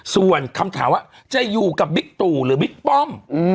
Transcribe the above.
ส่วนคำถามว่าจะอยู่กับบิ๊กตู่หรือบิ๊กป้อม